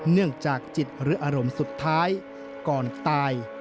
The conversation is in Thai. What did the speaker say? เนื่องจากจิตหรืออารมณ์สุดท้ายก่อนตาย